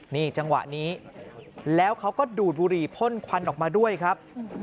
นี่จังหวะนี้แล้วเขาก็ดูดบุหรี่พ่นควันออกมาด้วยครับ